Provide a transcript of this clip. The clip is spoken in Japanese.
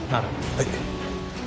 はい。